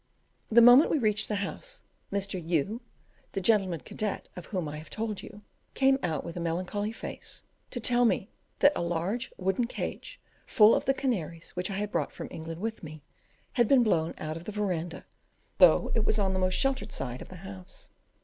The moment we reached the house, Mr. U , the gentleman cadet of whom I have told you, came out, with a melancholy face, to tell me that a large wooden cage, full of the canaries which I had brought from England with me, had been blown out of the verandah, though it was on the most sheltered side of the house.